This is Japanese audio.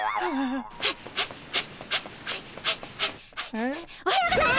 えっ？おはようございます！